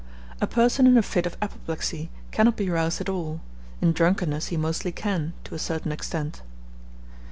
A person in a fit of apoplexy cannot be roused at all; in drunkenness he mostly can, to a certain extent.